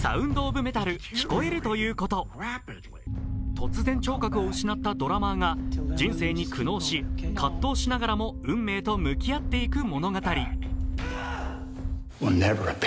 突然、聴覚を失ったドラマーが人生に苦悩し、葛藤しながらも運命と向き合っていく物語。